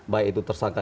baik itu tersangka